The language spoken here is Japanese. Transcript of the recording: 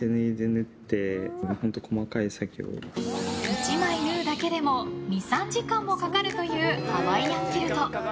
１枚縫うだけでも２３時間もかかるというハワイアンキルト。